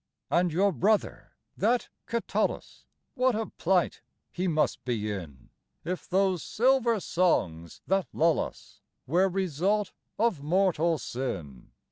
And your brother, that Catullus, What a plight he must be in, If those silver songs that lull us Were result of mortal sin!